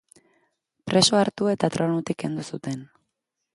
Preso hartu eta tronutik kendu zuten.